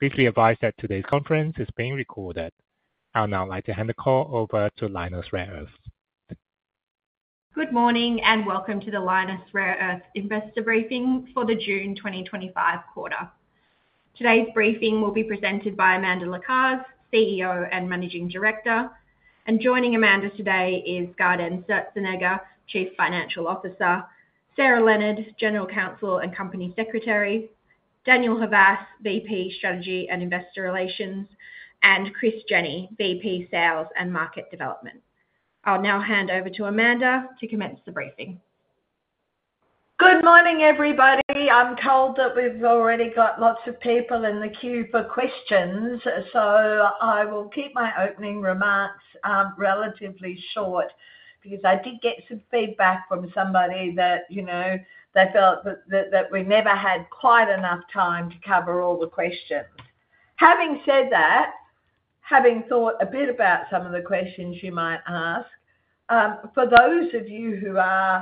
Please be advised that today's conference is being recorded. I would now like to hand Good morning and welcome to the Lynas Rare Earths investor briefing for the June 2025 quarter. Today’s briefing will be presented by Amanda Lacaze [CEO and Managing Director] (Lynas Rare Earths). Joining Amanda today is Gaudenz Sturzenegger [Chief Financial Officer] (Lynas Rare Earths), Sarah Leonard [General Counsel and Company Secretary] (Lynas Rare Earths), Daniel Havas [VP of Strategy and Investor Relations] (Lynas Rare Earths), and Chris Jenney [VP of Sales and Market Development] (Lynas Rare Earths). I’ll now hand over to Amanda to commence the briefing. Good morning, everybody. I’m told that we’ve already got lots of people in the queue for questions, so I’ll keep my opening remarks relatively short. I did get some feedback from someone who felt that we never have quite enough time to cover all the questions. Having said that, I’ve been thinking a bit about some of the questions you might ask. For those of you who are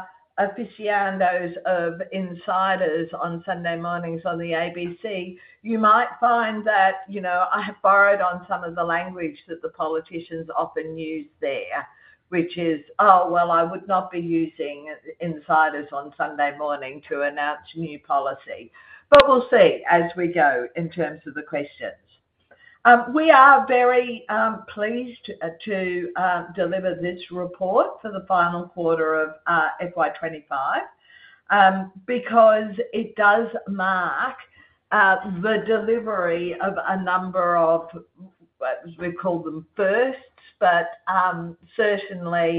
aficionados of Insiders on Sunday mornings on the ABC, you might find that I have borrowed on some of the language that the politicians often use there, which is, oh, I would not be using Insiders on Sunday morning to announce new policy, but we’ll see as we go. In terms of the questions, we are very pleased to deliver this report for the final quarter of fiscal year 2025 because it does mark the delivery of a number of—we’ve called them firsts, but certainly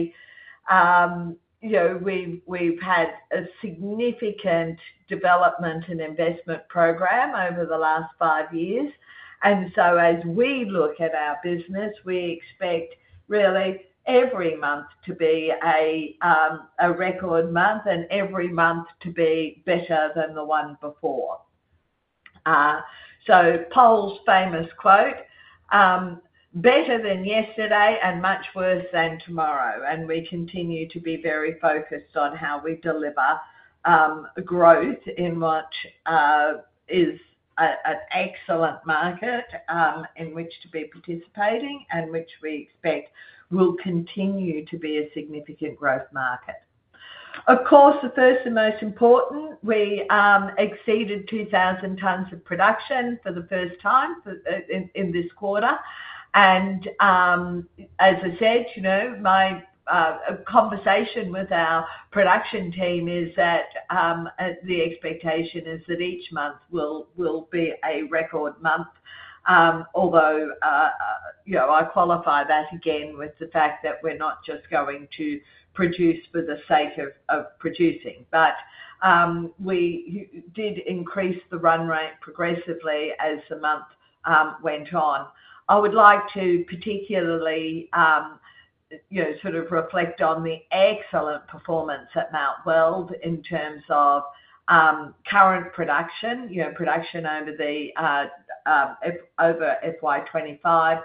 we’ve had a significant delivery, development, and investment program over the last five years. As we look at our business, we expect really every month to be a record month and every month to be better than the one before. Pol’s famous quote, better than yesterday and much worse than tomorrow. We continue to be very focused on how we deliver growth in what is an excellent market in which to be participating and which we expect will continue to be a significant growth market. Of course, the first and most important, we exceeded 2,000 tonnes of production for the first time in this quarter. As I said, my conversation with our production team is that the expectation is that each month will be a record month, although I qualify that again with the fact that we’re not just going to produce for the sake of producing, but we did increase the run rate progressively as the month went on. I would like to particularly reflect on the excellent performance at Mount Weld in terms of current production. You know, production over fiscal year 2025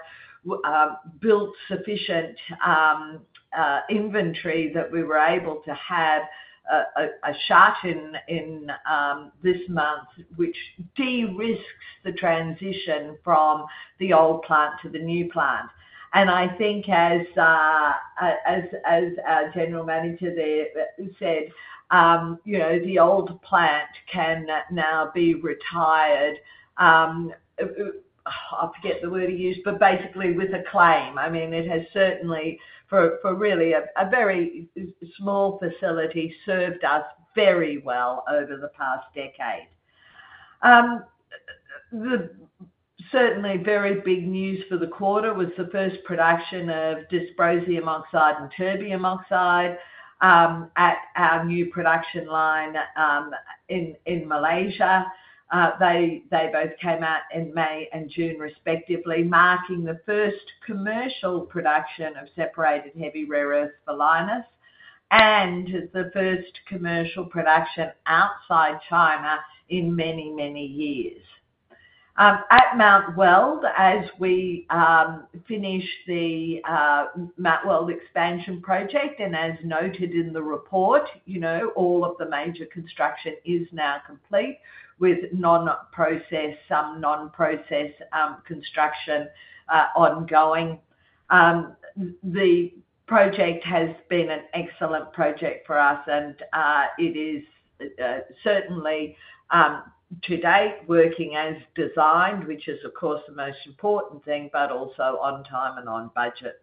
built sufficient inventory that we were able to have a shot in this month, which de-risks the transition from the old plant to the new plant. I think as our General Manager there said, the old plant can now be retired. I forget the word he used, but basically with acclaim, I mean it has certainly, for really a very small facility, served us very well over the past decade. Certainly, very big news for the quarter was the first production of dysprosium oxide and terbium oxide at our new production line in Malaysia. They both came out in May and June respectively, marking the first commercial production of separated heavy rare earth for Lynas Rare Earths and the first commercial production outside China in many, many years at Mount Weld. As we finish the Mount Weld expansion project and as noted in the report, all of the major construction is now complete, with some non-process construction ongoing. The project has been an excellent project for us and it is certainly to date working as designed, which is of course the most important thing, but also on time and on budget.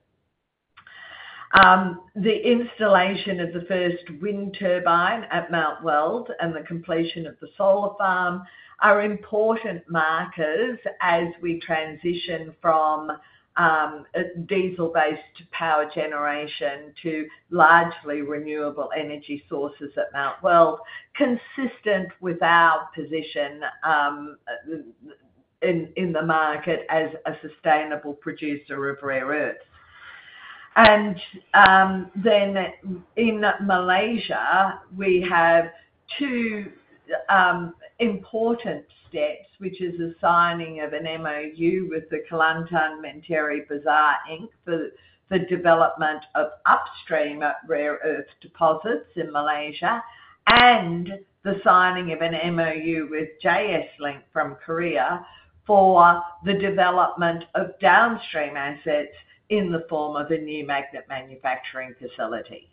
The installation of the first wind turbine at Mount Weld and the completion of the solar farm are important markers as we transition from diesel-based power generation to largely renewable energy sources at Mount Weld, consistent with our position in the market as a sustainable producer of rare earths. In Malaysia, we have two important steps, which is a signing of an MOU with the Kelantan Menteri Besar Inc. For the development of upstream rare earth deposits in Malaysia and the signing of an MOU with JSLink from Korea for the development of downstream assets in the form of a new magnet manufacturing facility,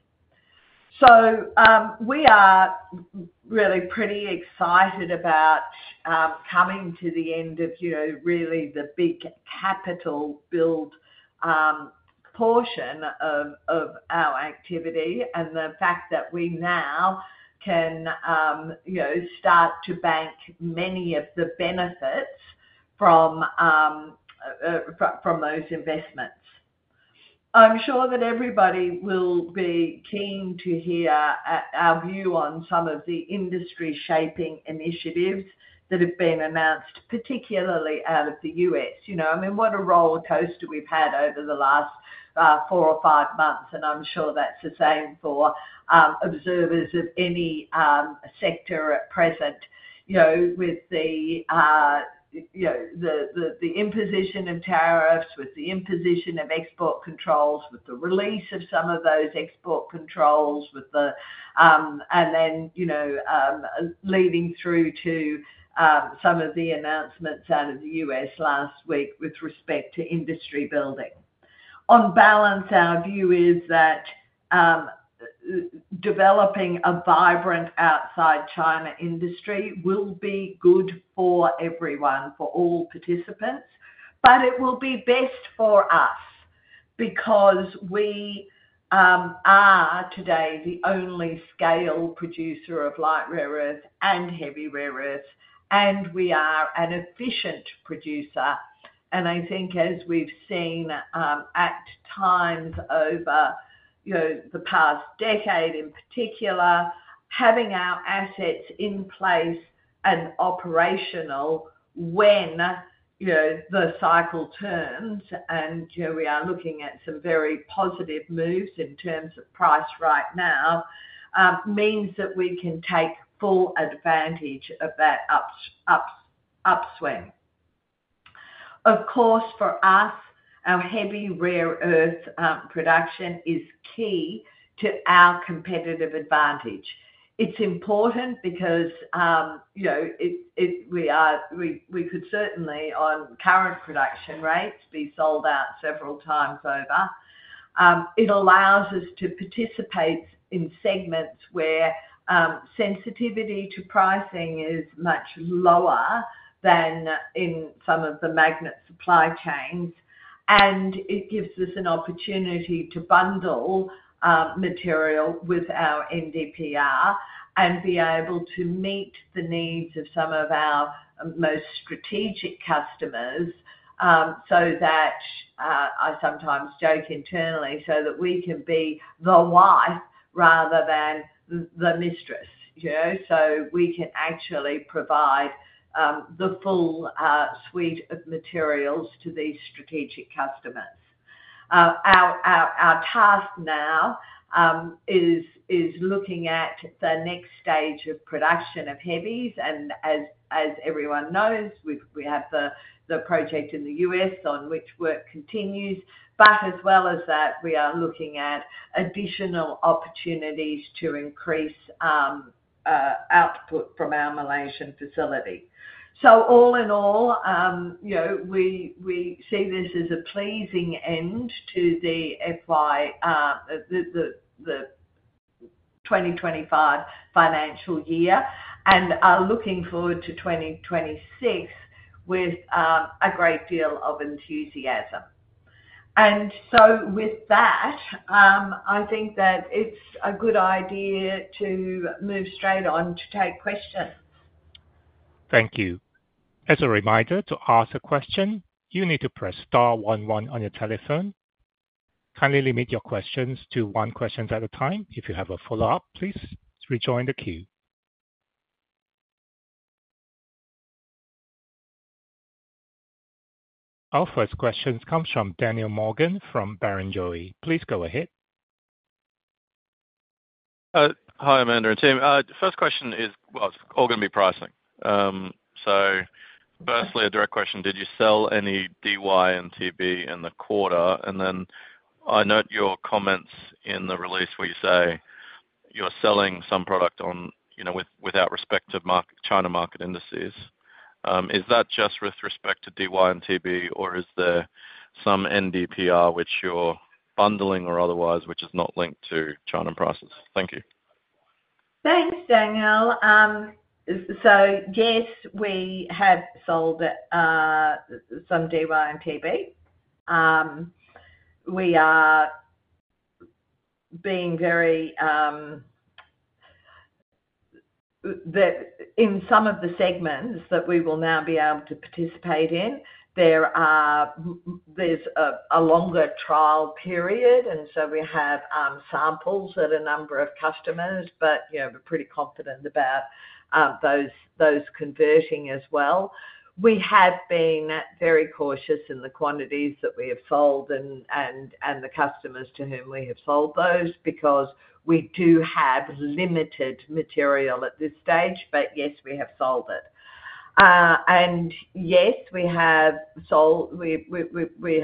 we are really pretty excited about coming to the end of the big capital build portion of our activity and the fact that we can now start to bank many of the benefits from those investments. I'm sure everybody will be keen to hear our view on some of the industry-shaping initiatives that have been announced, particularly out of the U.S. I mean, what a roller coaster we've had over the last four or five months, and I'm sure that's the same for observers of any sector at present. With the imposition of tariffs, the imposition of export controls, the release of some of those export controls, and then leading through to some of the announcements out of the U.S. last week with respect to industry building, on balance, our view is that developing a vibrant outside-China industry will be good for everyone, for all participants, but it will be best for us because we are today the only scale producer of light rare earth and heavy rare earth. We are an efficient producer, and I think as we've seen at times over the past decade, in particular, having our assets in place and operational when the cycle turns, and we are looking at some very positive moves in terms of price right now, means that we can take full advantage of that upswing. Of course, for us, our heavy rare earth production is key to our competitive advantage. It's important because we could certainly, on current production rates, be sold out several times over. It allows us to participate in segments where sensitivity to pricing is much lower than in some of the magnet supply chains, and it gives us an opportunity to bundle material with our NdPr and be able to meet the needs of some of our most strategic customers. I sometimes joke internally that we can be the wife rather than the mistress so we can actually provide the full suite of materials to these strategic customers. Our task now is looking at the next stage of production of heavies, and as everyone knows, we have the project in the U.S. on which work continues. As well as that, we are looking at additional opportunities to increase output from our Malaysian facility. All in all, we see this as a pleasing end to the FY 2025 financial year and are looking forward to 2026 with a great deal of enthusiasm. With that, I think that it's a good idea to move straight on to take questions. Thank you. As a reminder, to ask a question you need to press Star 11 on your telephone. Kindly limit your questions to one question at a time. If you have a follow up, please rejoin the queue. Our first question comes from Daniel Morgan from Barrenjoey. Please go ahead. Hi Amanda and Tim. My first question is about pricing. Did you sell any dysprosium oxide or terbium oxide during the quarter? I noticed in the release that you mentioned selling some products without reference to China market indices. Is that specifically related to dysprosium and terbium oxide, or does it also include NdPr that you’re bundling or pricing independently of China benchmarks? Thank you. Thanks Daniel. Yes, we have sold some NdPr. We are being very selective in some of the segments that we will now be able to participate in. There's a longer trial period, and we have samples at a number of customers, but we're pretty confident about those converting as well. We have been very cautious in the quantities that we have sold and the customers to whom we have sold those because we do have limited material at this stage. Yes, we have sold it, and yes, we have sold. We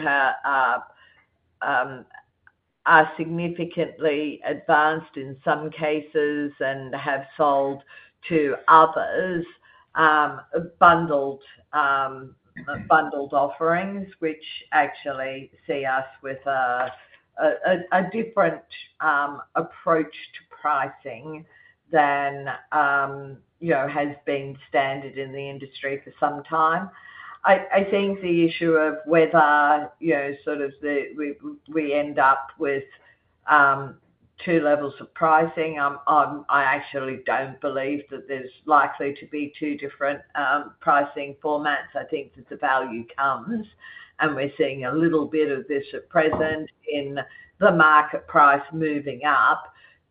are significantly advanced in some cases and have sold to others. Bundled offerings actually see us with a different approach to pricing than has been standard in the industry for some time. I think the issue of whether we end up with two levels of pricing—I actually don't believe that there's likely to be two different pricing formats. I think that the value comes, and we're seeing a little bit of this at present in the market price moving up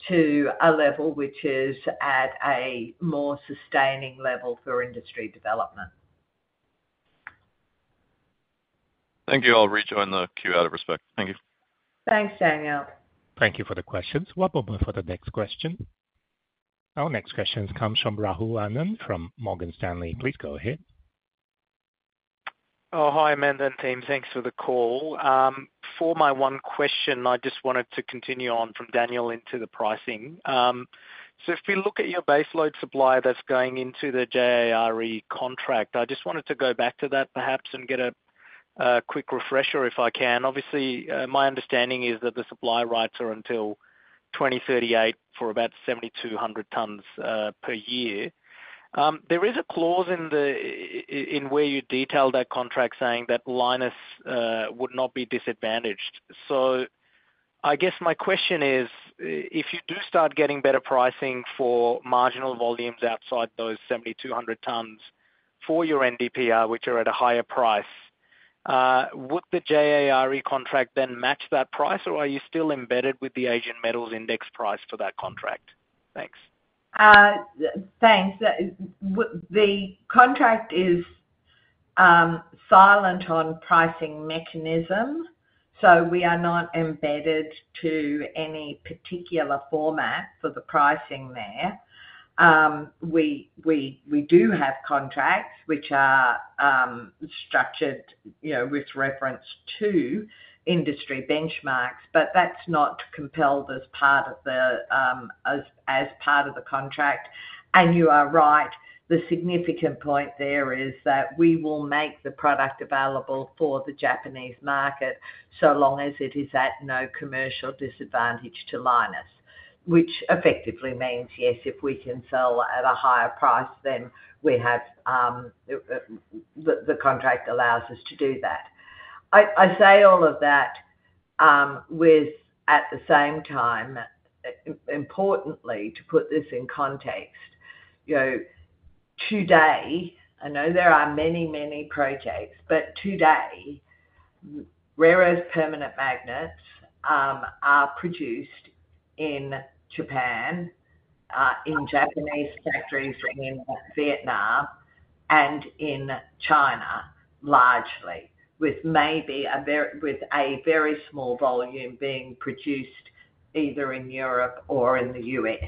to a level which is at a more sustaining level for industry development. Thank you. I'll rejoin the queue out of respect. Thank you. Thanks, Daniel. Thank you for the questions. We'll move for the next question. Our next question comes from Rahul Anand from Morgan Stanley. Please go ahead. Hi Amanda and team. Thanks for the call. For my one question, I just wanted to continue on from Daniel into the pricing. If we look at your baseload supply that's going into the JARE contract, I just wanted to go back to that, perhaps, and get a quick refresher if I can. Obviously, my understanding is that the supply rights are until 2038 for about 7,200 tonnes per year. There is a clause in that contract stating that Lynas would not be disadvantaged. I guess my question is, if you do start getting better pricing for marginal volumes outside those 7,200 tonnes for your NdPr, which are at a higher price, would the JARE contract then match that price? Or are you still embedded with the Asian Metals Index price for that contract? Thanks. The contract is silent on the pricing mechanism, so we are not embedded to any particular format for the pricing there. We do have contracts that are structured with reference to industry benchmarks, but that's not compelled as part of the contract. You are right, the significant point there is that we will make the product available for the Japanese market so long as it is at no commercial disadvantage to Lynas, which effectively means, yes, if we can sell at a higher price, then we have. The contract allows us to do that. I say all of that while, at the same time, importantly, putting this in context. Today, I know there are many projects, but rare earth permanent magnets are produced in Japan, in Japanese factories, in Vietnam, and in China, largely, with maybe a very small volume being produced either in Europe or in the U.S.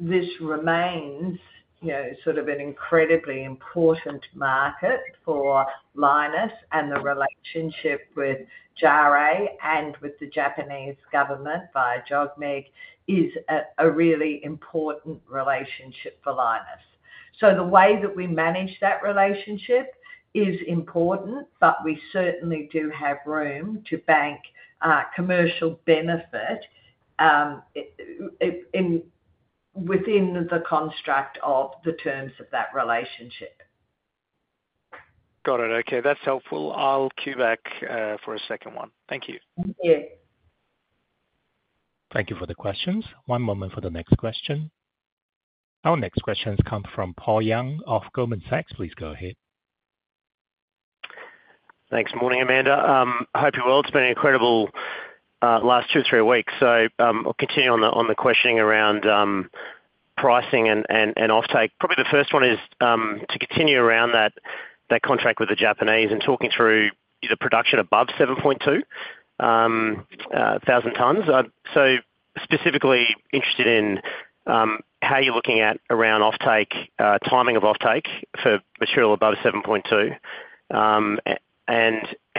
This remains an incredibly important market for Lynas. The relationship with JARE and with the Japanese government via JOGMEC is a really important relationship for Lynas. The way that we manage that relationship is important, but we certainly do have room to bank commercial benefit within the construct of the terms of that relationship. Got it. Okay, that's helpful. I'll cue back for a second one. Thank you. Thank you for the questions. One moment for the next question. Our next questions come from Paul Young of Goldman Sachs. Please go ahead. Thanks, and good morning, Amanda. I hope you’re well. It’s been an incredible last few weeks. With respect to going back to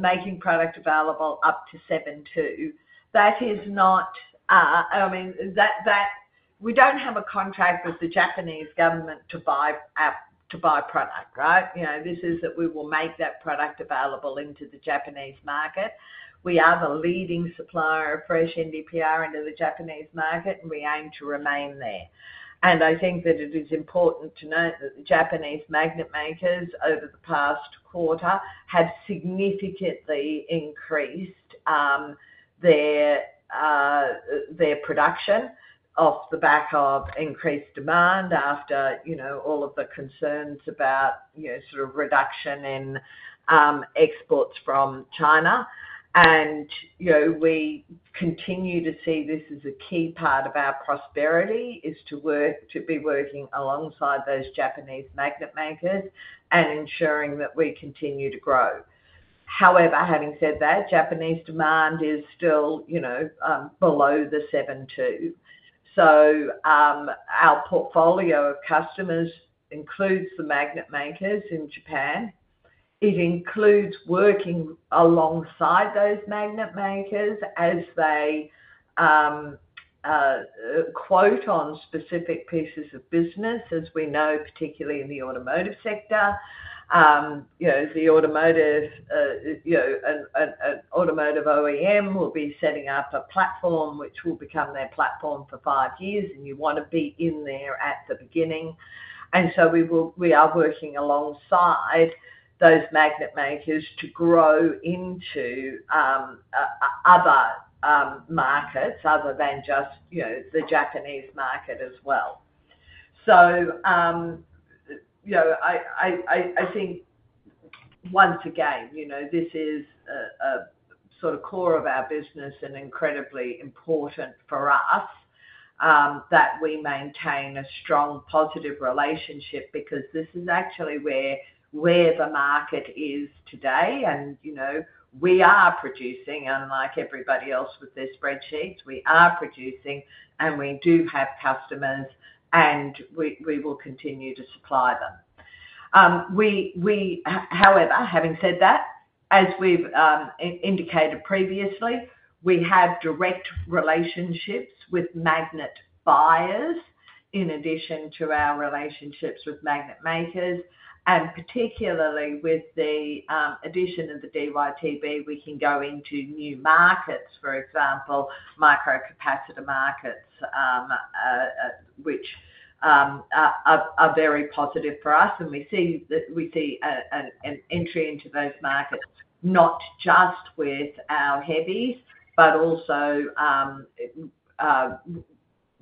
making product available up to 7,200 tonnes, that does not mean we have a contract with the Japanese government to buy product. It simply means that we will make that product available to the Japanese market. We are the leading supplier of fresh NdPr into the Japanese market, and we aim to remain in that position. I think it is important to note that Japanese magnet makers have significantly increased over the past quarter. Their production has increased off the back of higher demand. After all of the concerns about reductions in exports from China, we continue to see this as a key part of our prosperity — working alongside those Japanese magnet makers and ensuring that we continue to grow. However, having said that, Japanese demand is still below the 7,200 tonnes. Our portfolio of customers includes the magnet makers in Japan. It includes working alongside those magnet makers as they quote on specific pieces of business. As we know, particularly in the automotive sector, the automotive OEM will be setting up a platform that will become their platform for five years, and you want to be in there at the beginning. We are working alongside those magnet makers to grow into other markets beyond just the Japanese market as well. I think once again, this is the core of our business and it is incredibly important for us to maintain a strong, positive relationship because this is actually where the market is today. We are producing — unlike everybody else with their spreadsheets — we are producing, and we do have customers, and we will continue to supply them. However, having said that, as we've indicated previously, we have direct relationships with magnet buyers in addition to our relationships with magnet makers, and particularly with the addition of the DyTb, we can go into new markets, for example, microcapacitor markets, which are very positive for us. We see an entry into those markets not just with our heavies, but also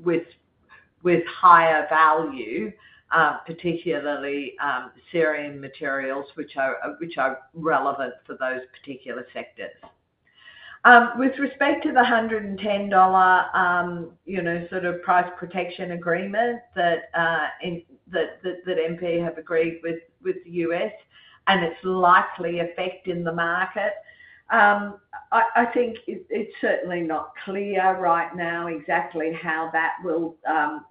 with higher-value, particularly cerium materials, which are relevant for those particular sectors. With respect to the $110 price protection agreement that MP Materials have agreed with the U.S. And its likely effect on the market — I think it's certainly not clear right now exactly how that will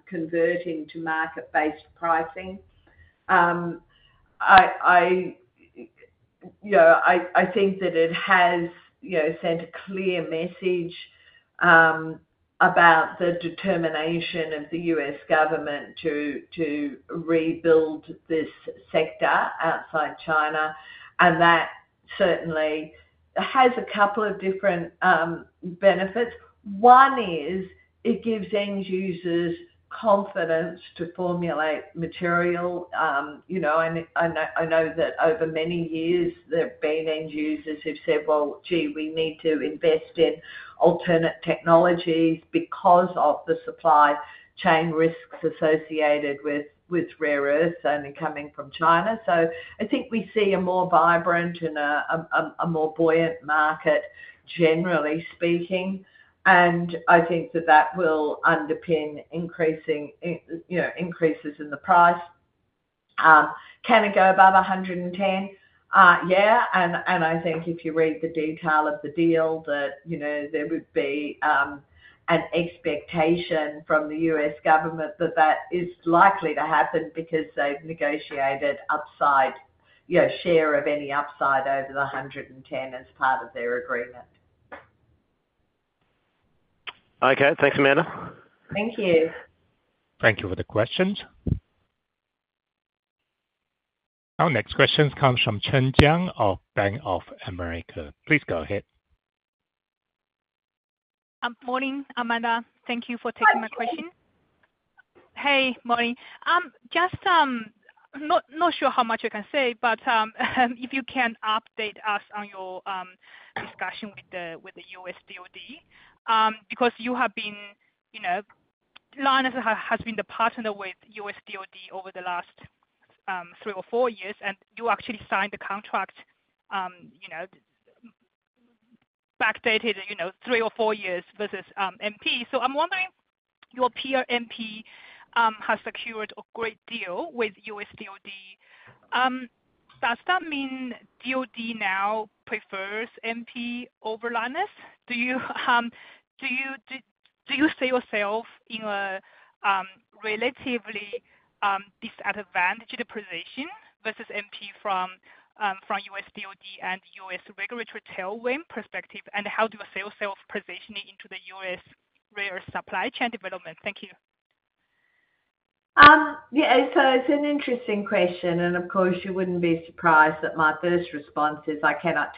convert into market-based pricing. I think it has sent a clear message about the determination of the U.S. government to rebuild this sector outside China, and that certainly has a couple of different benefits. One is that it gives end users confidence to formulate material. I know that over many years there have been end users who've said, gee, we need to invest in alternate technologies because of the supply chain risks associated with rare earths only coming from China. I think we see a more vibrant and more buoyant market, generally speaking, and I think that will underpin increasing prices. Can it go above $110? Yeah. I think if you read the detail of the deal, there would be an expectation from the U.S. government that that is likely to happen because they've negotiated upside share of any upside over the $110 as part of their agreement. Okay, thanks Amanda. Thank you. Thank you for the questions. Our next question comes from Chen Jiang of Bank of America. Please go ahead. Good morning, Amanda. Thank you for taking my question. Hey. Morning. Just not sure how much I can say, but if you can update us on your discussion with the US Department of Defense because you have been, you know, Lynas has been the partner with US Department of Defense over the last three or four years and you actually signed the contract, you know, backdated, you know, three or four years versus MP Materials. So I'm wondering, your MP Materials has secured a great deal with US Department of Defense. Does that mean Department of Defense now prefers MP Materials over Lynas? Do you see yourself in a relatively disadvantaged position versus MP Materials from US Department of Defense and US regulatory tailwind perspective? And how do a sales self positioning into the US rare earth supply chain development? Thank you. Yeah, that’s an interesting question — and of course, you won’t be surprised that my first response is that I can’t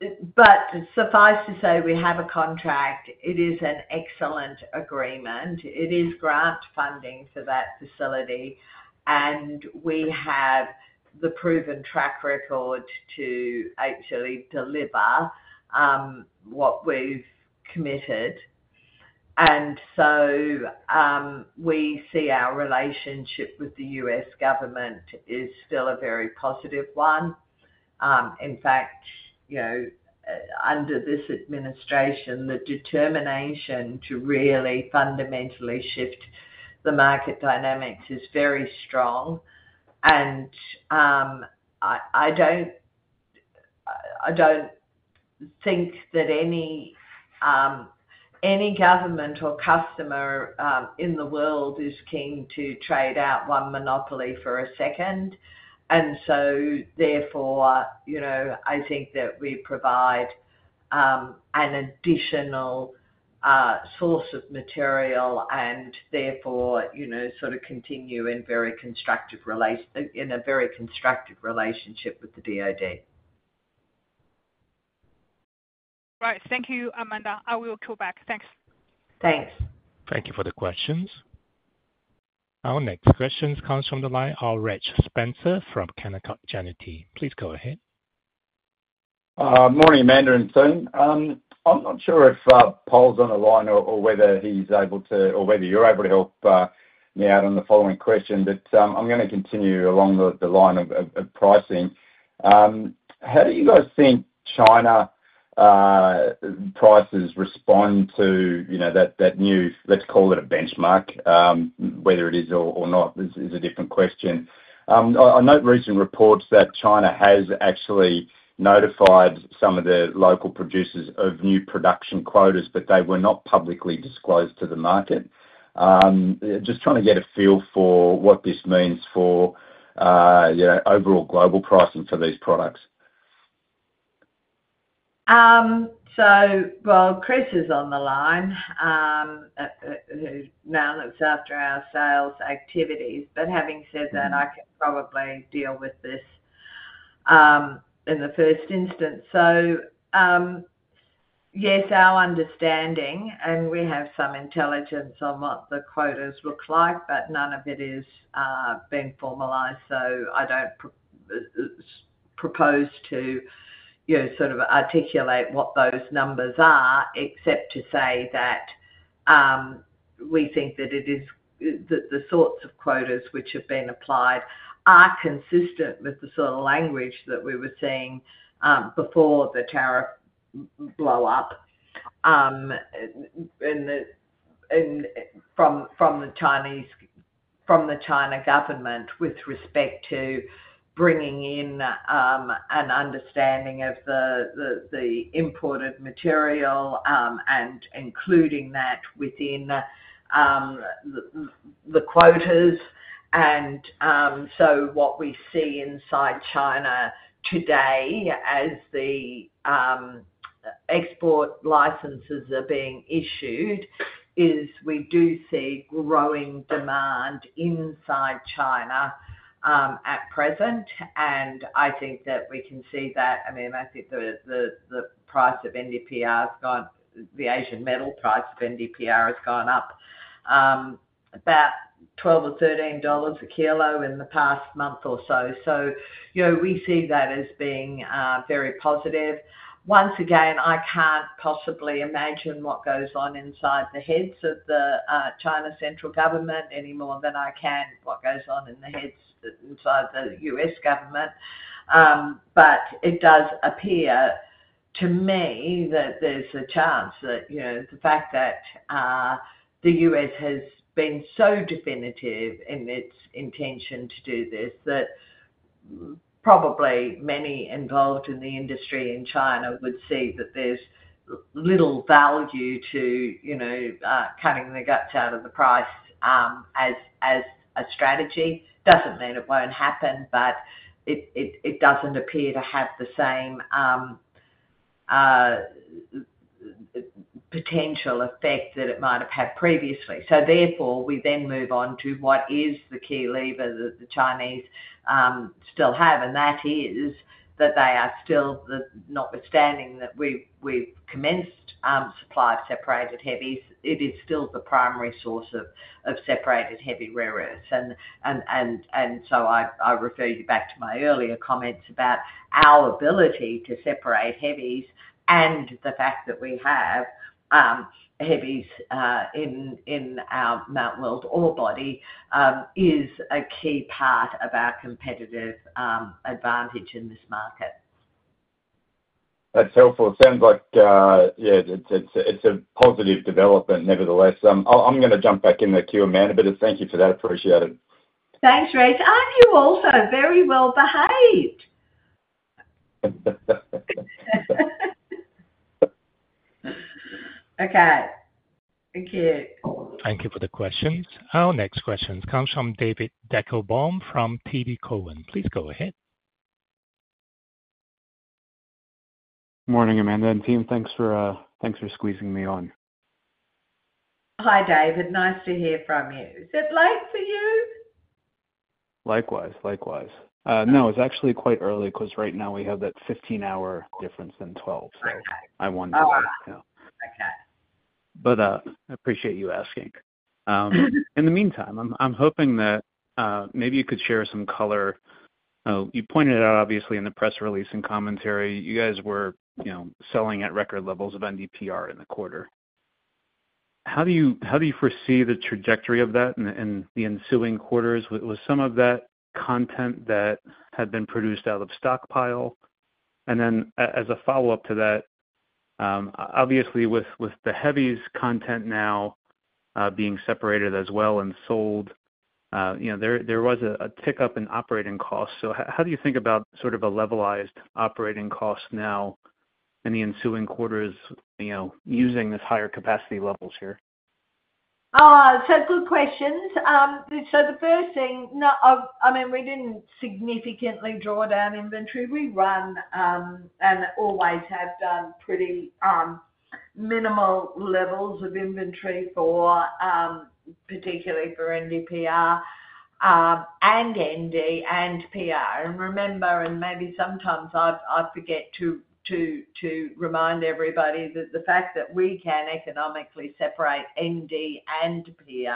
really speak for how the U.S. government perceives anything. I think most people would be cautious about venturing into that territory. Right, thank you, Amanda. I will call back. Thanks. Thanks. Thank you for the questions. Our next question comes from the line. Reg Spencer from Canaccord Genuity. Please go ahead. Morning Amanda and team. I'm not sure if Paul's on the line or whether he's able to, or whether you're able to help me out on the following question, but I'm going to continue along the line of pricing. How do you guys think China prices respond to that new, let's call it a benchmark? Whether it is or not is a different question. I note recent reports that China has actually notified some of the local producers of new production quotas, but they were not publicly disclosed to the market. Just trying to get a feel for what this means for overall global pricing for these products. Chris is on the line now and looks after our sales activities. Having said that, I can probably deal with this in the first instance. Yes, our understanding, and we have some intelligence on what the quotas look like, but none of it has been formalized. I don't propose to articulate what those numbers are, except to say that we think the sorts of quotas that have been applied are consistent with the sort of language we were seeing before the tariff blowup from the Chinese, from the China government, with respect to bringing in an understanding of the imported material and including that within the quotas. What we see inside China today, as the export licenses are being issued, is growing demand inside China at present. I think we can see that. I think the price of NdPr has gone up. The Asian Metals price of NdPr has gone up about $12 or $13 a kilo in the past month or so. We see that as very positive. I can't possibly imagine what goes on inside the heads of the China central government any more than I can what goes on inside the heads of the U.S. government. It does appear to me that there's a chance that the fact that the U.S. has been so definitive in its intention to do this means that many involved in the industry in China would see little value in cutting the guts out of the price as a strategy. It doesn't mean it won't happen, but it doesn't appear to have the same potential effect that it might have had previously. Therefore, we then move on to what is the key lever that the Chinese still have, and that is that they are still, notwithstanding that we have commenced supply of separated heavies, the primary source of separated heavy rare earths. I refer you back to my earlier comments about our ability to separate heavies and the fact that we have heavies in our Mount Weld ore body, which is a key part of our competitive advantage in this market. That's helpful. It sounds like it's a positive development. Nevertheless, I'm going to jump back in the queue, Amanda, but thank you for that. Appreciate it. Thanks, Reg. Aren't you also very well behaved? Okay, thank you. Thank you for the questions. Our next question comes from David Adam Deckelbaum from TD Cowen. Please go ahead. Morning Amanda and team. Thanks for squeezing me on. Hi David, nice to hear from you. Is it late for you? Likewise. No, it's actually quite early because right now we have that 15-hour difference instead of 12. I appreciate you asking. In the meantime, I'm hoping that maybe you could share some color. You pointed it out, obviously, in the press release and commentary — you guys were selling at record levels of NdPr in the quarter. How do you foresee the trajectory of that in the ensuing quarters? Was some of that content that had been produced out of stockpile? And then, as a follow-up to that, obviously with the heavies content now being separated as well and sold, there was a tick-up in operating costs. How do you think about a levelized operating cost now in the ensuing quarters using these higher capacity levels? Good questions. The first thing is that we didn’t significantly draw down inventory. We run, and always have run, pretty minimal levels of inventory, particularly for NdPr and Nd and Pr. Remember, and maybe sometimes I forget to remind everybody, that the fact that we can economically separate Nd and Pr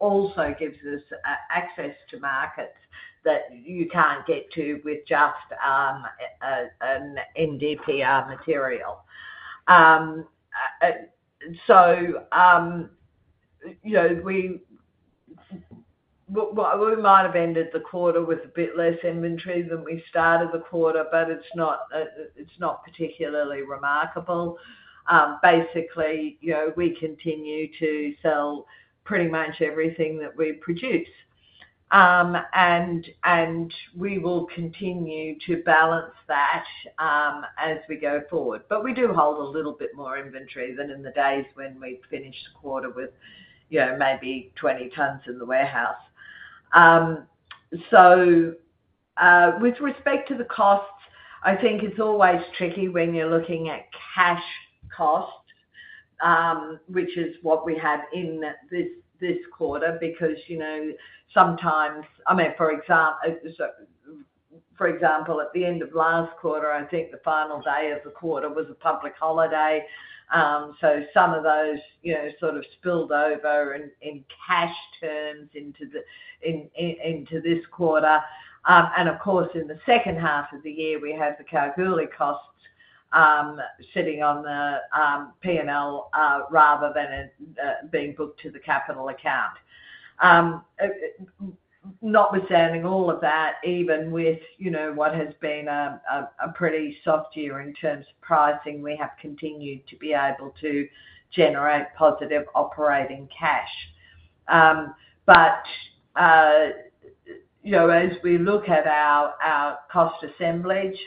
also gives us access to markets that you can’t get to with just an NdPr material. We might have ended the quarter with a bit less inventory than we started the quarter, but it’s not particularly remarkable. Basically, we continue to sell pretty much everything that we produce, and we will continue to balance that as we go forward. We do hold a little bit more inventory than in the days when we finished a quarter with maybe 20 tonnes in the warehouse. With respect to the costs, I think it's always tricky when you're looking at cash costs, which is what we have in this quarter, because sometimes, for example, at the end of last quarter, I think the final day of the quarter was a public holiday, and some of those sort of spilled over in cash terms into this quarter. In the second half of the year, we have the Kalgoorlie costs sitting on the P&L rather than being booked to the capital account. Notwithstanding all of that, even with what has been a pretty soft year in terms of pricing, we have continued to be able to generate positive operating cash. As we look at our cost assemblage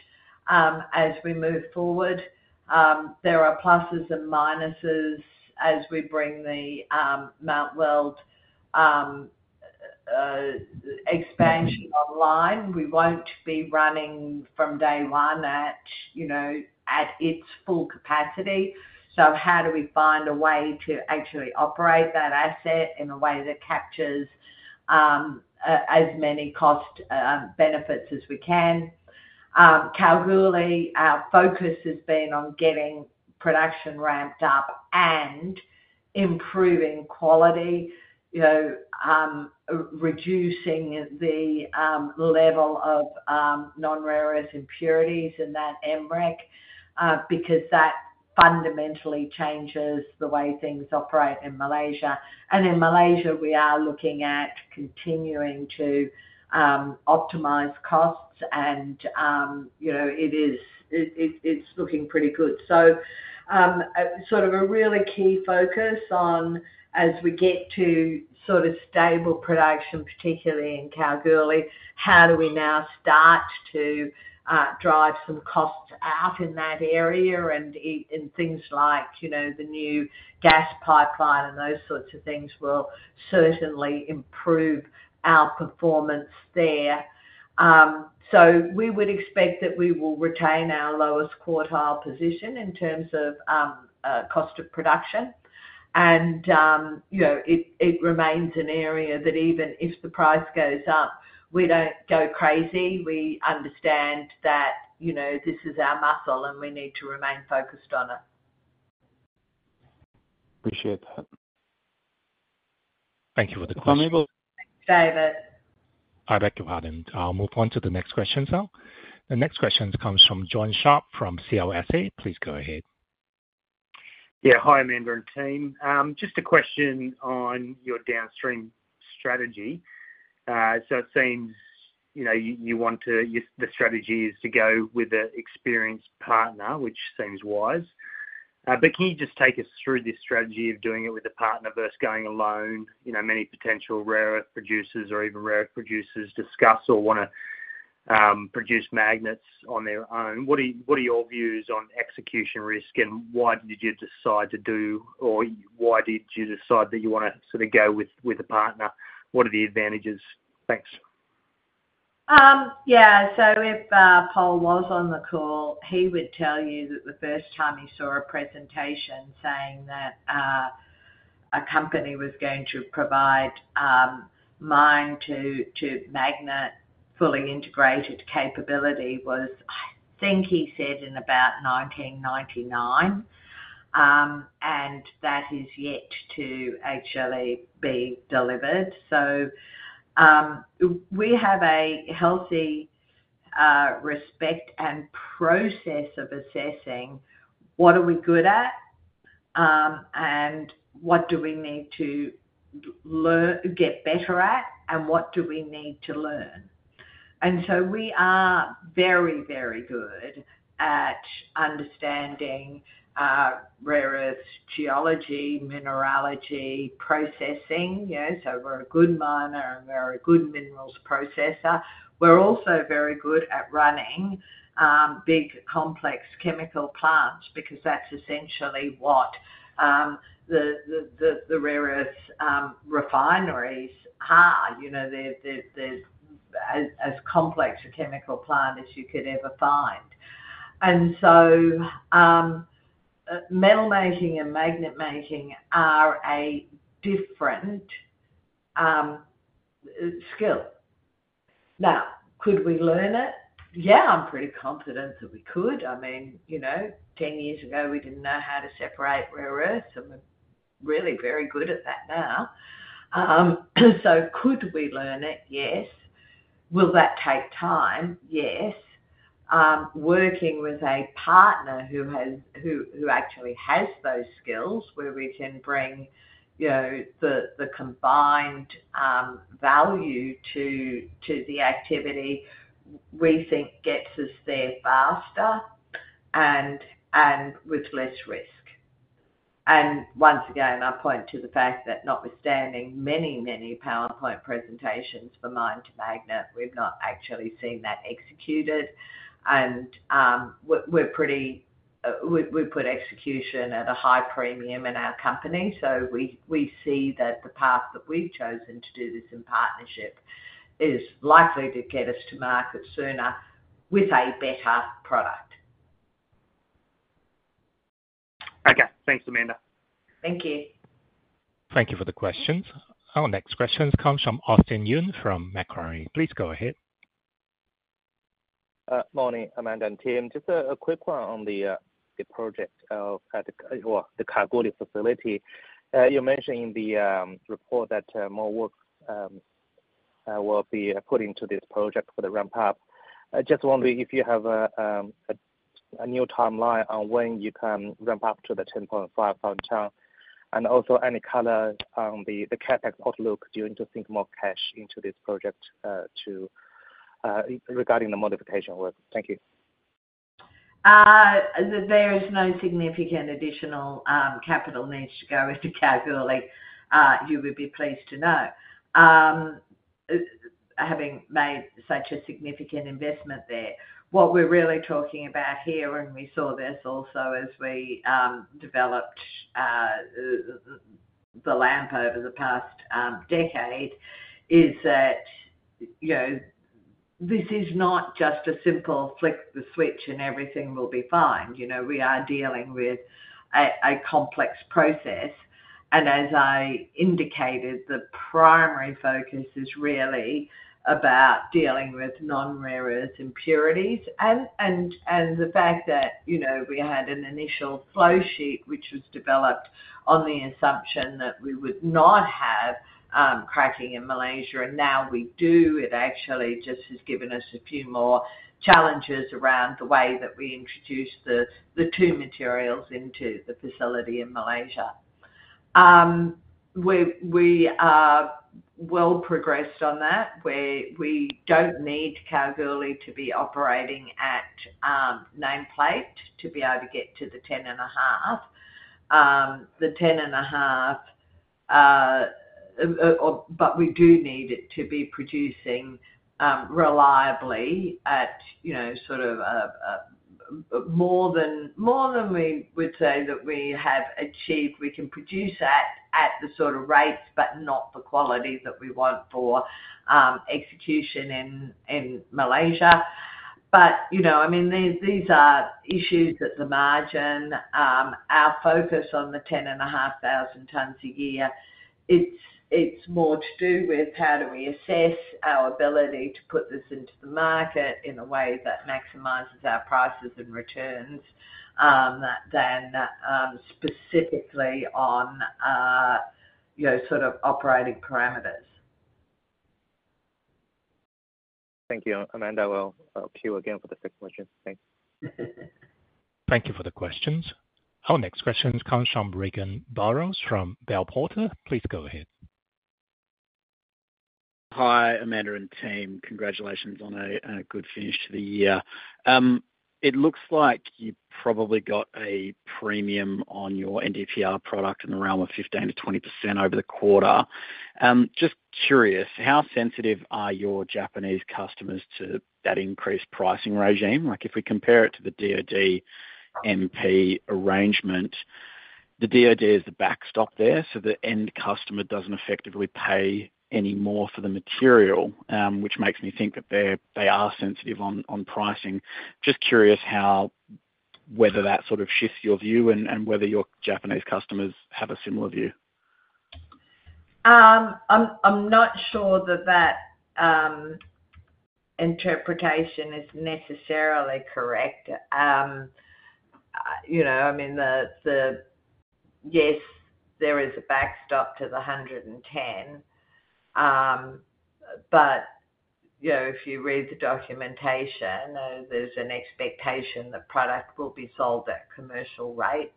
as we move forward, there are pluses and minuses. As we bring the Mount Weld expansion online, we won't be running from day one at its full capacity. How do we find a way to actually operate that asset in a way that captures as many cost benefits as we can? In Kalgoorlie, our focus has been on getting production ramped up and improving quality, reducing the level of non-rare earth impurities in that Mixed Rare Earth Carbonate because that fundamentally changes the way things operate in Malaysia. In Malaysia, we are looking at continuing to optimize costs, and it is looking pretty good. A really key focus as we get to stable production, particularly in Kalgoorlie, is how we now start to drive some costs out in that area. Things like the new gas pipeline and those sorts of things will certainly improve our performance there. We would expect that we will retain our lowest quartile position in terms of cost of production. It remains an area that even if the price goes up, we don't go crazy. We understand that this is our muscle and we need to remain focused on it. Appreciate that. Thank you for the question. I beg your pardon. I'll move on to the next question. The next question comes from Jonathon Sharp from CLSA. Please go ahead. Yeah, hi Amanda and team, just a question on your downstream strategy. It seems you want to — the strategy is to go with an experienced partner, which seems wise — but can you just take us through this strategy of doing it with a partner versus going alone? Many potential rare earth producers, or even current rare earth producers, discuss or want to produce magnets on their own. What are your views on execution risk, and why did you decide that you want to go with a partner? What are the advantages? Thanks. Yeah. If Pol were on the call, he would tell you that the first time he saw a presentation saying that a company was going to provide mine-to-magnet fully integrated capability was, I think he said, in about 1999. That is yet to actually be delivered. We have a healthy respect and process of assessing what we are good at, what we need to get better at, and what we need to learn. We are very, very good at understanding rare earths, geology, mineralogy, and processing. We're a good miner, and we're a good minerals processor. We're also very good at running big, complex chemical plants because that's essentially what the rare earth refineries are — as complex a chemical plant as you could ever find. Metal making and magnet making are a different skill. Now. Could we learn it? Yeah, I'm pretty confident that we could. I mean, 10 years ago we didn't know how to separate rare earths, and we're really very good at that now. Could we learn it? Yes. Will that take time? Yes. Working with a partner who actually has those skills, where we can bring the combined value to the activity, we think gets us there faster and with less risk. Once again, I point to the fact that notwithstanding many, many PowerPoint presentations for mine-to-magnet, we've not actually seen that executed. We put execution at a high premium in our company. We see that the path we’ve chosen to do this in partnership is likely to get us to market sooner with a better product. Okay, thanks Amanda. Thank you. Thank you for the questions. Our next question comes from Austin Yun from Macquarie. Please go ahead. Morning Amanda and team. Just a quick one on the project — the Kalgoorlie facility. You mentioned in the report that more work will be put into this project for the ramp-up. I just wonder if you have a new timeline on when you can ramp up to the 10.5 thousand, and also any color on the CapEx outlook. Do you need to sink more cash into this project regarding the modification work? Thank you. There are no significant additional capital needs to go into Kalgoorlie. You’ll be pleased to know, having made such a significant investment there, what we're really talking about here — and we saw this also as we developed — Over the past decade, this has not been a simple “flick the switch and everything will be fine” process. We are dealing with a complex operation, and as I indicated, the primary focus is really about managing non-rare earth impurities. The fact that we had an initial flow sheet developed on the assumption that we would not have cracking in Malaysia — and now we do — has given us a few more challenges around the way we introduce the two materials into the facility in Malaysia. We are well progressed on that. We don't need Kalgoorlie to be operating at nameplate to reach the 10.5, but we do need it to be producing reliably at higher levels than we have achieved so far. We can produce at those sorts of rates, but not yet at the quality we want for execution in Malaysia. These are issues at the margin. Our focus on the 10,500 tonnes a year is more about how we assess our ability to put this into the market in a way that maximizes our prices and returns rather than specifically on operating parameters. Thank you. Amanda will appeal again for the second question. Thank you for the questions. Our next question comes from Regan Burrows from Bell Potter. Please go ahead. Hi Amanda and team. Congratulations on a good finish to the year. It looks like you probably got a premium on your NdPr product in the realm of 15% to 20% over the quarter. I'm just curious, how sensitive are your Japanese customers to that increased pricing regime? If we compare it to the DoD–MP arrangement, the DoD is the backstop there, so the end customer doesn’t effectively pay any more for the material, which makes me think they are sensitive to pricing. I'm just curious whether that shifts your view and whether your Japanese customers have a similar perspective. I'm not sure that that interpretation is necessarily correct. I mean, yes, there is a backstop to the $110, but if you read the documentation, there's an expectation that the product will be sold at commercial rates.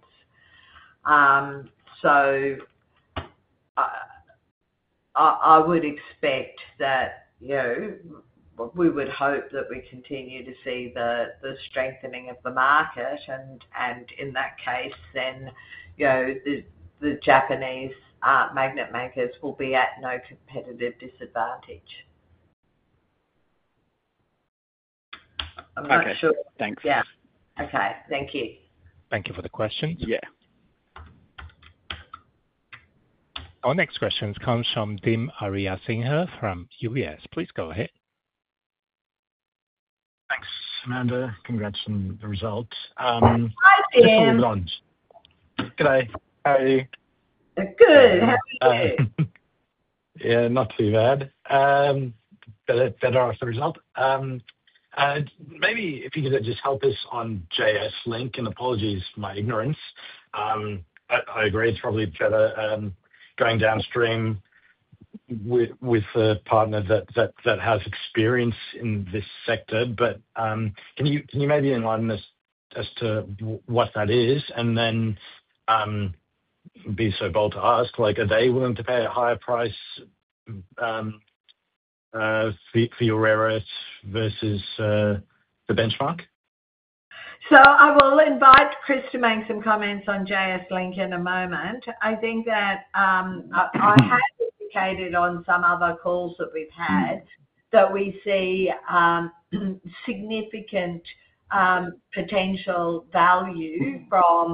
I would expect, and we would hope, that we continue to see the strengthening of the market, and in that case, the Japanese magnet makers will be at no competitive disadvantage. Thanks. Okay. Thank you. Thank you for the questions. Yeah. Our next question comes from Dim Ariyasinghe from UBS. Please go ahead. Thanks. Amanda, congrats on the results. G'day. How are you? Good and happy. Yeah, not too bad — better off the result. Maybe if you could just help us on JSLink. Apologies for my ignorance. I agree it's probably better going downstream with a partner that has experience in this sector. Can you maybe enlighten us as to what that is, and then be so bold as to ask — are they willing to pay a higher price for your rare earths versus the benchmark? I will invite Chris to make some comments on JSLink in a moment. I think I’ve indicated on some other calls that we see significant potential value from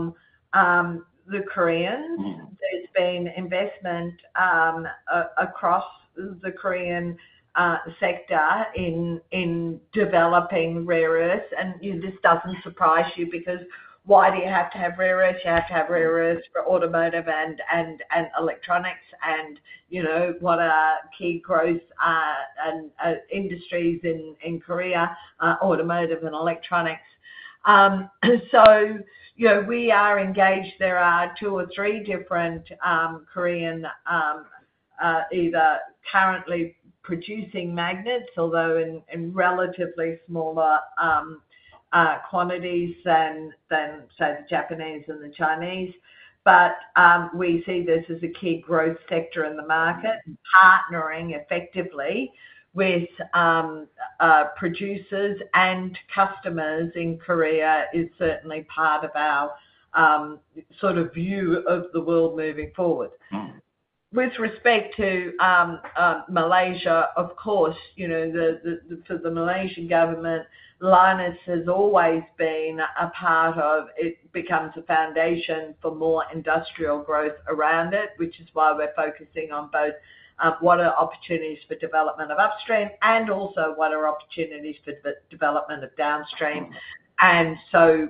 the Koreans. There has been investment across the Korean sector in developing rare earths, which shouldn’t surprise you — because why do you need rare earths? You need them for automotive and electronics. What are the key growth industries in Korea? Automotive and electronics. We are engaged with two or three different Korean companies that are either currently producing magnets, although in relatively smaller quantities than, say, the Japanese or the Chinese. We see this as a key growth sector in the market. Partnering effectively with producers and customers in Korea is certainly part of our view of the world moving forward. With respect to Malaysia, of course, for the Malaysian government, Lynas has always been a part of it. It becomes a foundation for more industrial growth around it, which is why we’re focusing on both the opportunities for development of upstream and the opportunities for development of downstream.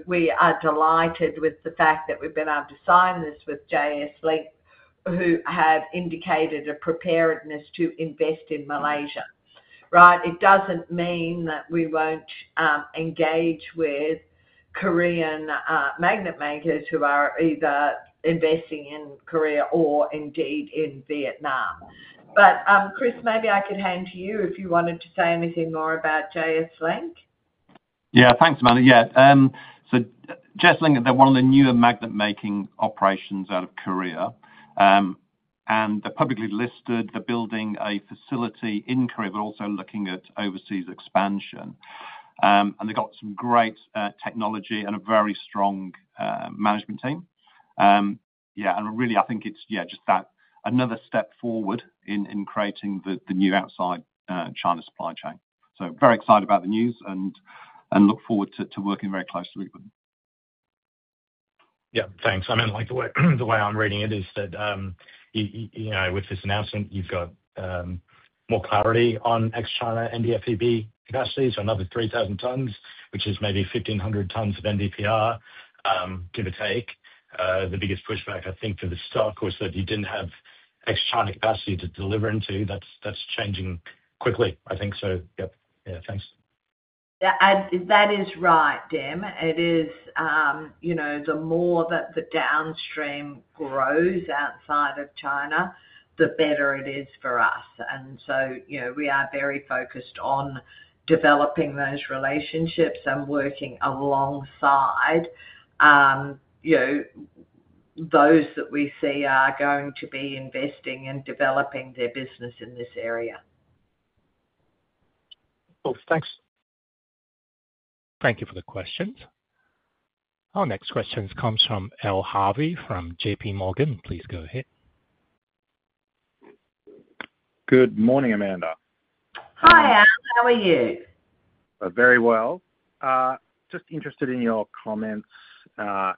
We are delighted that we’ve been able to sign this with JSLink, who have indicated a preparedness to invest in Malaysia. It doesn’t mean that we won’t engage with Korean magnet makers who are either investing in Korea or, indeed, in Vietnam. Chris, maybe I could hand to you if you wanted to say anything more about JSLink. Yeah, thanks Amanda. JSLink — they’re one of the newer magnet-making operations out of Korea, and they’re publicly listed. They’re building a facility in Korea but also looking at overseas expansion. They’ve got some great technology and a very strong management team. I think it’s just another step forward in creating the new outside-China supply chain. Very excited about the news and look forward to working very closely. Thanks. I mean, the way I’m reading it is that with this announcement, you’ve got more clarity on ex-China NdPr capacity — another 3,000 tonnes, which is maybe 1,500 tonnes of NdPr, give or take. The biggest pushback, I think, for the stock was that you didn’t have extra-China capacity to deliver into. That’s changing quickly. I think so. Yep. Thanks. That is right, Dan, it is. The more that the downstream grows outside of China, the better it is for us. We are very focused on developing those relationships and working alongside those that we see are going to be investing and developing their business in this area. Thanks. Thank you for the questions. Our next question comes from Alistair Harvey from JPMorgan Chase & Co. Please go ahead. Good morning, Amanda. Hi, Alistair. How are you? Very well. Just interested in your comments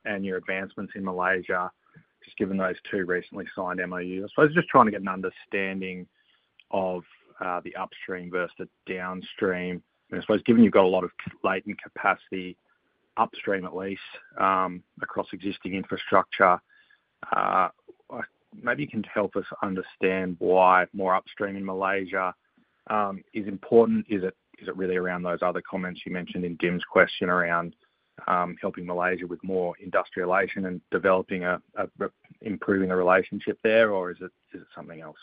and your advancements in Malaysia, given those two recently signed MOUs. I’m just trying to get an understanding of the upstream versus downstream. Given you’ve got a lot of latent capacity upstream, at least across existing infrastructure, maybe you can help us understand why more upstream in Malaysia is important. Is it really around those other comments you mentioned in Dim’s question — around helping Malaysia with more industrialization and developing and improving the relationship there — or is it something else?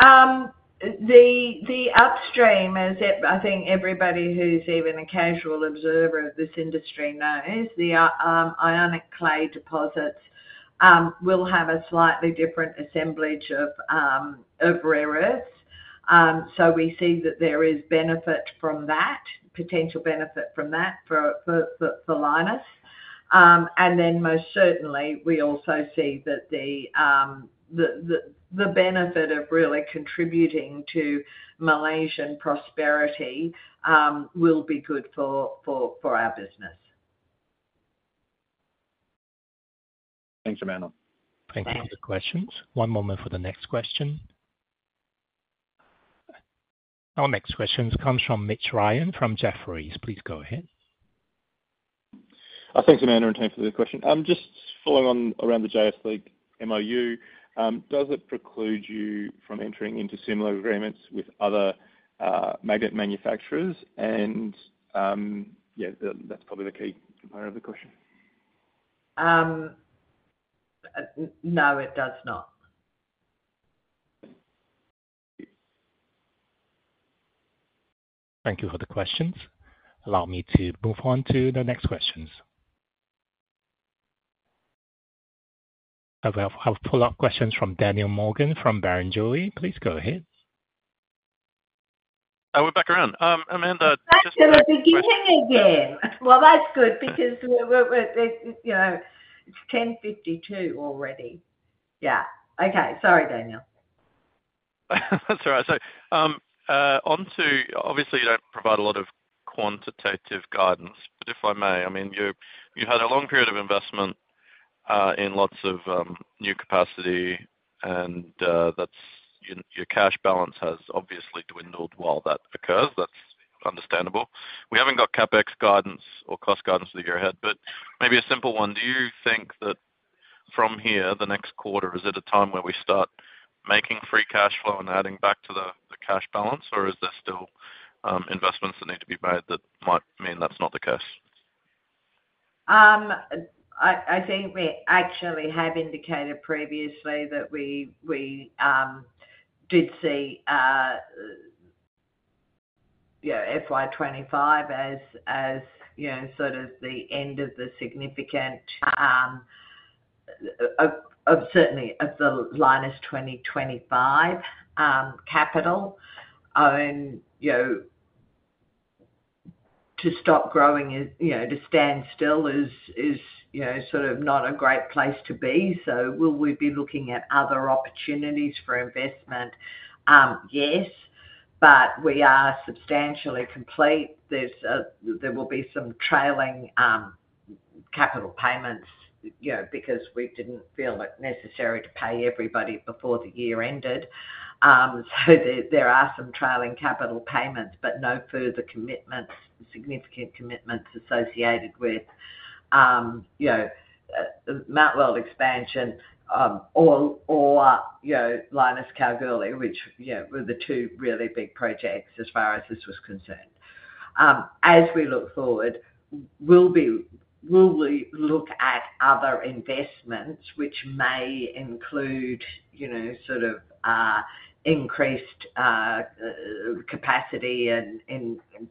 The upstream, as I think everybody who’s even a casual observer of this industry knows, the ionic clay deposits will have a slightly different assemblage of rare earths. We see that there is benefit from that — potential benefit from that — for Lynas. We also see that the benefit of really contributing to Malaysia’s prosperity will be good for our business. Thanks, Amanda. Thank you for the questions. One moment for the next question. Our next question comes from Mitch Ryan from Jefferies. Please go ahead. Thanks, Amanda and team, for the question. Just following on around the JSLink MOU, does it preclude you from entering into similar agreements with other magnet manufacturers? Yeah, that's probably the key component of the question. No, it does not. Thank you for the questions. Allow me to move on to the next questions. I'll pull up questions from Daniel Morgan from Barrenjoey. Please go ahead. We're back around, Amanda. Back to the beginning again. That's good because it's 10:52 A.M. already. Yeah, okay. Sorry, Daniel. That's all right. Obviously, you don't provide a lot of quantitative guidance, but if I may, you had a long period of investment in lots of new capacity and your cash balance has obviously dwindled while that occurs. That's understandable. We haven't got CapEx guidance or cost guidance for the year ahead, but maybe a simple one. Do you think that from here, the next quarter, is it a time where we start making free cash flow and adding back to the cash balance, or is there still investments that need to be made that might mean that's not the case? I think we actually have indicated previously that we did see FY25 as sort of the end of the significant certainly of the Lynas 2025 capital. You know. To stop growing, you know, to stand still, is not a great place to be. Will we be looking at other opportunities for investment? Yes, but we are substantially complete. There will be some trailing capital payments because we didn’t feel it necessary to pay everybody before the year ended. There are some trailing capital payments, but no further significant commitments associated with the Mount Weld expansion or Lynas Kalgoorlie, which were the two really big projects as far as this was concerned. As we look forward, will we look at other investments which may include increased capacity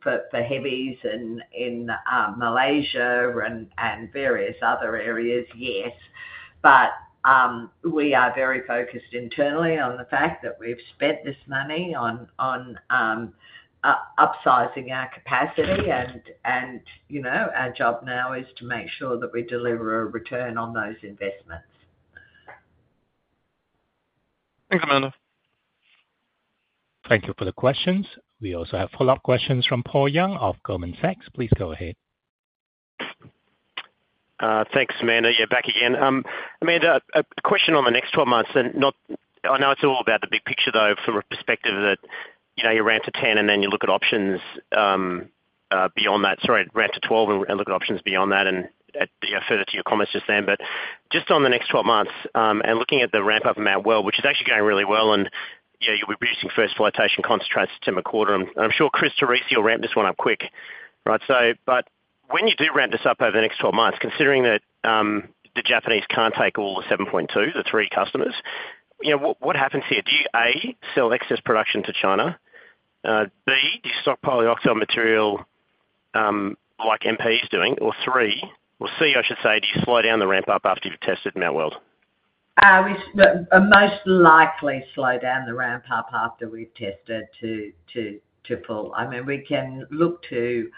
for heavies in Malaysia and various other areas? Yes, but we are very focused internally on the fact that we've spent this money on upsizing our capacity and, you know, our job now is to make sure that we deliver a return on those investments. Thanks Amanda. Thank you for the questions. We also have follow up questions from Paul Young of Goldman Sachs. Please go ahead. Thanks Amanda. Yeah, back again — a question on the next 12 months. I know it's all about the big picture though, from the perspective that you ramp to 10 and then look at options beyond that — sorry, ramp to 12 and look at options beyond that. Further to your comments just then, just on the next 12 months and looking at the ramp-up amount, which is actually going really well, and you'll be producing first flotation concentrate in the September quarter. I'm sure Chris Jenney will ramp this one up quickly. When you do ramp this up over the next 12 months, considering that the Japanese can't take all the 7.2 — the three customers — what happens here? Do you A, sell excess production to China? B, do you stock polyoxide material like MP's doing or C, do you slow down the ramp up after you've tested in that world? We most likely slow down the ramp up after we've tested to pull. We can look to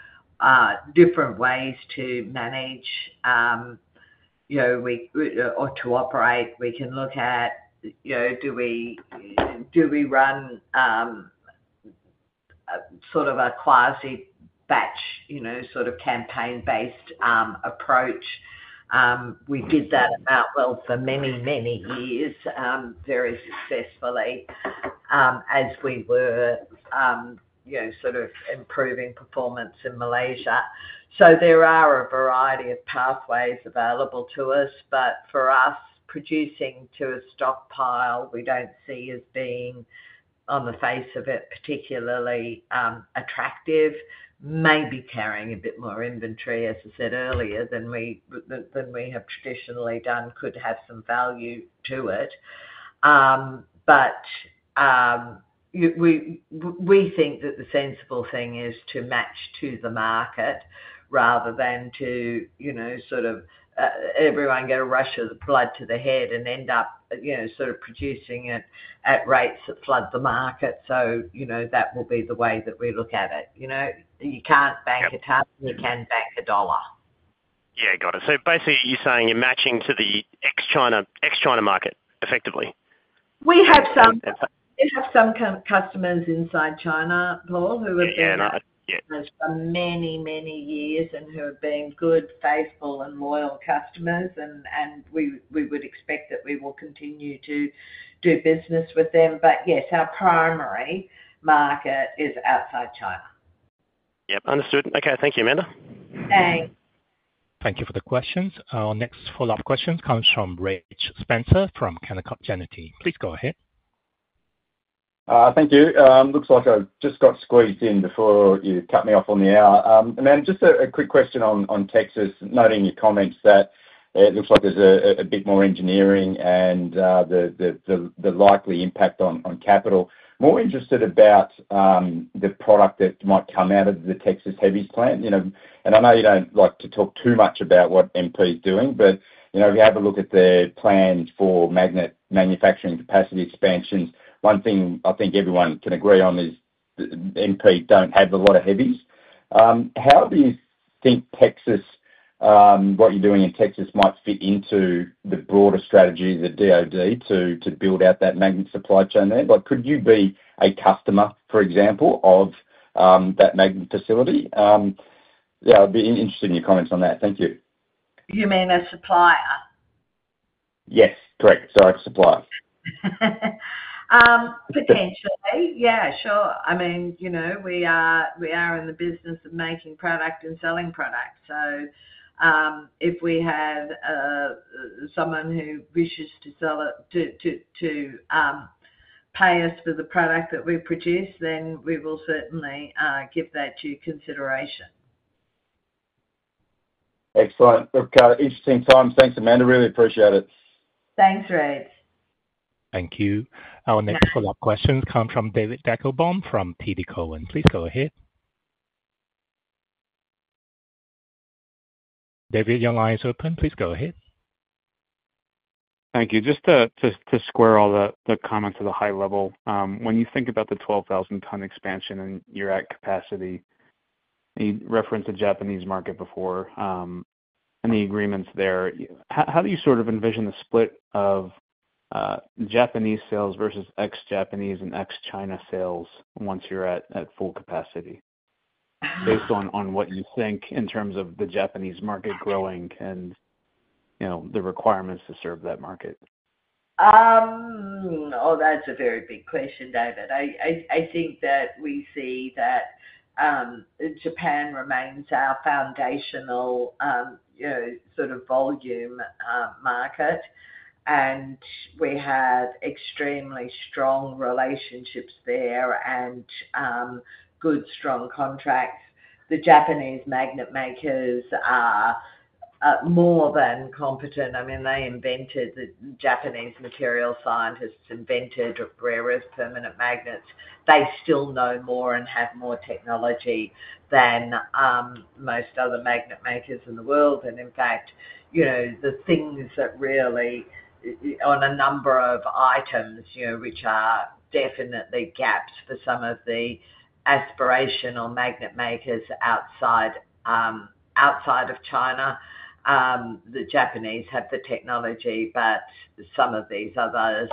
different ways to manage, you know, or to operate. We can look at, you know, do we run sort of a quasi batch, you know, sort of campaign-based approach? We did that for many, many years very successfully as we were, you know, sort of improving performance in Malaysia. There are a variety of paths, pathways available to us. For us, producing to a stockpile we don't see as being on the face of it particularly attractive. Maybe carrying a bit more inventory, as I said earlier, than we have traditionally done could have some value to it. But. We think that the sensible thing is to match to the market rather than everyone get a rush of the blood to the head and end up producing it at rates that flood the market. That will be the way that we look at it. You can't bank it out. You can bank a dollar. Got it. Basically, you're saying you're matching to the ex-China, ex-China market effectively. We have some customers inside China, Paul, who have been customers for many, many years and who have been good, faithful, and loyal customers. We would expect that we will continue to do business with them. Yes, our primary market is outside China. Yep, understood. Okay, thank you, Amanda. Thanks. Thank you for the questions. Our next follow-up question comes from Reg Spencer, from Canaccord Genuity. Please go ahead. Thank you. Looks like I just got squeezed in. Before you cut me off on the hour, ma'am, just a quick question on Texas. Noting your comments that it looks like there's a bit more engineering and the likely impact on capital. More interested about the product that might come out of the Texas Heavies plant. I know you don't like to talk too much about what MP Materials is doing, but if you have a look at the plan for magnet manufacturing capacity expansions, one thing I think everyone can agree on is MP Materials don't have a lot of heavies. How do you think Texas, what you're doing in Texas, might fit into the broader strategy of the DoD to build out that magnet supply chain there? Could you be a customer, for example, of that magnet facility? Yeah, I'd be interested in your comments on that. Thank you. You mean a supplier? Yes, correct. Sorry, Supplier. Potentially. Yeah, sure. I mean, we are in the business of making product and selling products. If we have someone who wishes to pay us for the product that we produce, then we will certainly give that due consideration. Excellent. Interesting times. Thanks, Amanda. Really appreciate it. ThanksReg. Thank you. Our next follow-up questions come from David Adam Deckelbaum from TD Cowen. Please go ahead, David, your line is open. Please go ahead. Thank you. Just to square all the comments at a high level, when you think about the 12,000 ton expansion and you're at capacity, you referenced the Japanese market before, any agreements there. How do you sort of envision the split of Japanese sales versus ex-Japanese and ex-China sales once you're at full capacity, based on what you think in terms of the Japanese market growing and the requirements to serve that market? Oh, that’s a very big question, David. I think we see that Japan remains our foundational volume market, and we have extremely strong relationships there and good, strong contracts. The Japanese magnet makers are more than competent — I mean, they invented rare earth permanent magnets. The Japanese material scientists still know more and have more technology than most other magnet makers in the world. In fact, on a number of items that are definite gaps for some of the aspirational magnet makers outside of China, the Japanese have the technology, while some of the others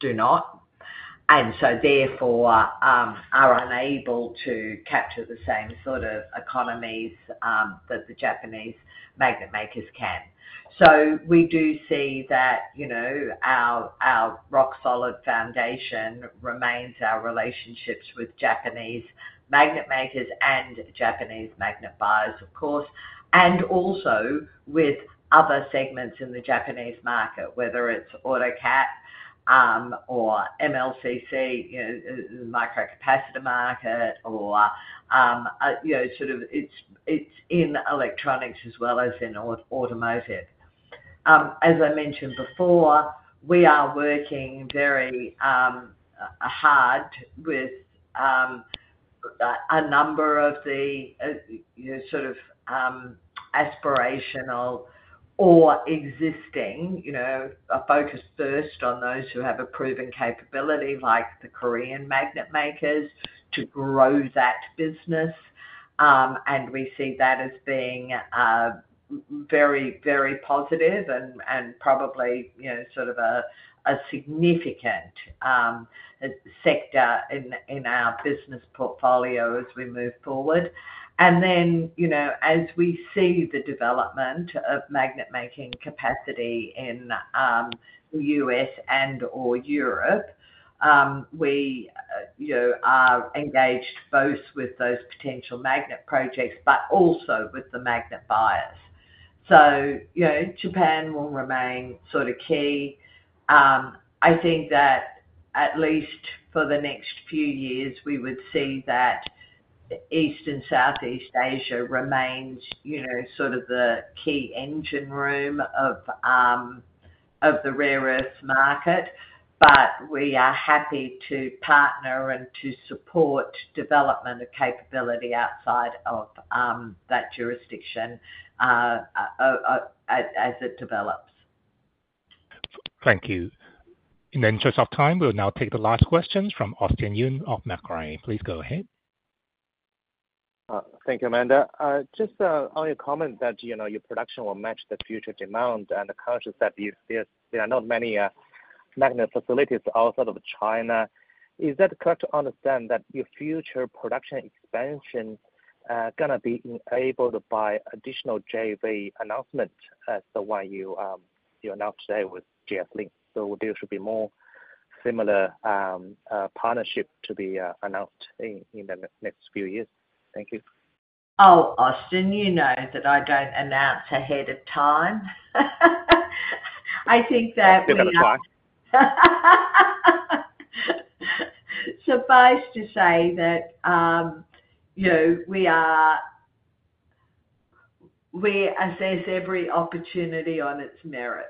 do not, and therefore are unable to capture the same sort of economies that the Japanese magnet makers can. We We do see that our rock-solid foundation remains our relationships with Japanese magnet makers and Japanese magnet buyers, of course, as well as with other segments in the Japanese market — whether it's AutoCAD or the MLCC microcapacitor market, in electronics as well as in automotive, as I mentioned before. We are working very hard with a number of the aspirational or existing producers, with a focus first on those who have a proven capability, like the Korean magnet makers, to grow that business. We see that as being very positive and probably a significant sector in our business portfolio as we move forward. As we see the development of magnet-making capacity in the U.S. and Europe, we are engaged both with those potential magnet projects and with the magnet buyers. Japan will remain key. I think that at least for the next few years we would see that East and Southeast Asia remains, you know, sort of the key engine room of the rare earth market. We are happy to partner and to support development of capability outside of that jurisdiction as it develops. Thank you. In the interest of time, we will now take the last questions from Austin Yun of Macquarie. Please go ahead. Thank you. Amanda, just on your comment that your production will match the future demand and the conscious that you see there are not many magnet facilities outside of China, is that correct? To understand that your future production expansion going to be enabled by additional JV announcement as the one you announced today with JSLink. There should be more similar partnership to be announced in the next few years. Thank you. Oh, Austin, you know that I don't announce ahead of time. I think that suffice to say that we assess every opportunity on its merits.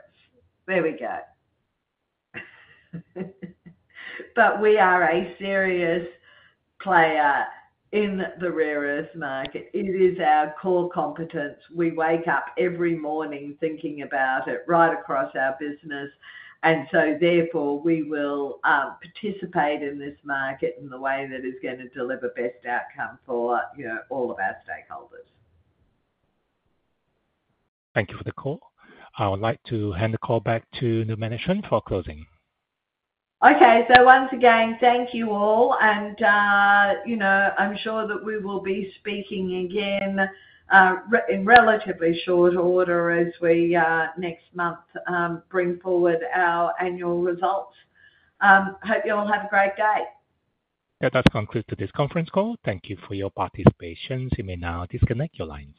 We are a serious player in the rare earth market. It is our core competence. We wake up every morning thinking about it right across our business. Therefore, we will participate in this market in the way that is going to deliver best outcome for all of our stakeholders. Thank you for the call. I would like to hand the call back to the management for closing. Okay, so once again, thank you all. I'm sure that we will be speaking again in relatively short order as we next month bring forward our annual results. Hope you all have a great day. That does conclude today's conference call. Thank you for your participation. You may now disconnect your lines.